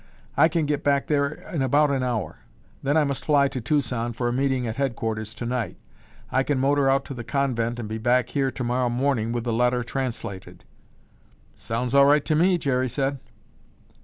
I can get back there in about an hour. Then I must fly to Tucson for a meeting at headquarters tonight. I can motor out to the convent and be back here tomorrow morning with the letter translated." "Sounds all right to me," Jerry said.